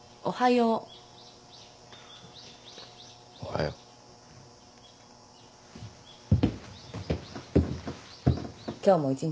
おはよう。